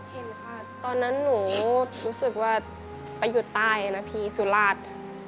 เห็นค่ะตอนนั้นหนูรู้สึกว่าไปอยู่ใต้นะพี่สุราช